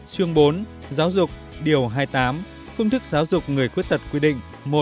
chương bốn giáo dục điều hai mươi tám phương thức giáo dục người khuyết tật quy định